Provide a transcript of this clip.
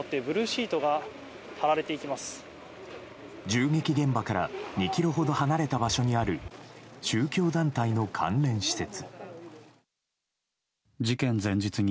銃撃現場から２ｋｍほど離れた場所にある宗教団体の関連施設。